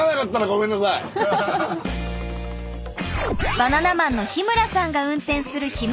バナナマンの日村さんが運転するひむ